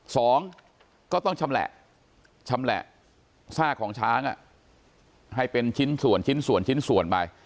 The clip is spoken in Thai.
สองก็ต้องชำแหละชำแหละซากของช้างให้เป็นชิ้นส่วนชิ้นส่วนชิ้นส่วนไป